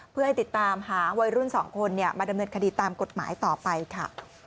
เพื่อให้ติดตามหาวัยรุ่น๒คนมาดำเนินคดีตามกฎหมายต่อไปค่ะ